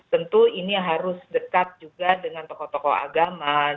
tentu ini harus dekat juga dengan tokoh tokoh agama